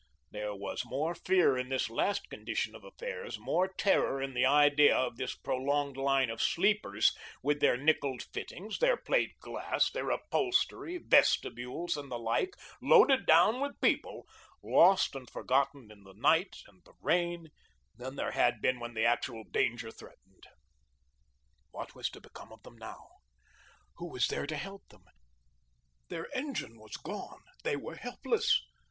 There was more fear in this last condition of affairs, more terror in the idea of this prolonged line of sleepers, with their nickelled fittings, their plate glass, their upholstery, vestibules, and the like, loaded down with people, lost and forgotten in the night and the rain, than there had been when the actual danger threatened. What was to become of them now? Who was there to help them? Their engine was gone; they were helpless.